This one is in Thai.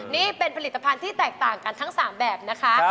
นี่เป็นผลิตภัณฑ์ที่แตกต่างกันทั้ง๓แบบนะคะ